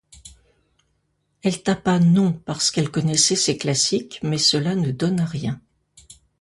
Elle tapa « non » parce qu’elle connaissait ses classiques, mais cela ne donna rien.